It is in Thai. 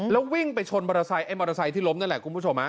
แล้ววิ่งไปชนมอเตอร์ไซค์ไอ้มอเตอร์ไซค์ที่ล้มนั่นแหละคุณผู้ชมฮะ